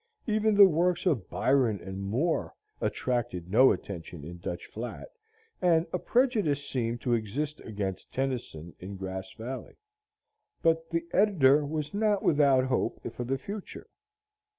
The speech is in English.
Even the works of Byron and Moore attracted no attention in Dutch Flat, and a prejudice seemed to exist against Tennyson in Grass Valley. But the editor was not without hope for the future.